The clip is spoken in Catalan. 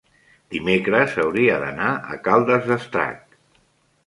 dimecres hauria d'anar a Caldes d'Estrac.